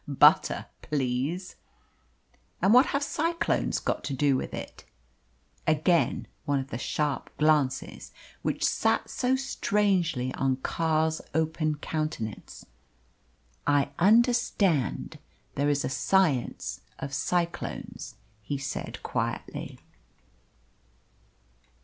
Butter, please." "And what have cyclones got to do with it?" Again one of the sharp glances which sat so strangely on Carr's open countenance. "I understand there is a science of cyclones," he said quietly.